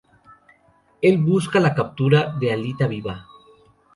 El busca la captura de Alita viva.